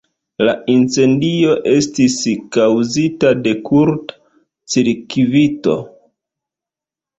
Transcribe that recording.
La incendio estis kaŭzita de kurta cirkvito.